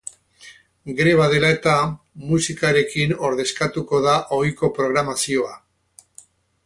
Greba dela eta, musikarekin ordezkatuko da ohiko programazioa.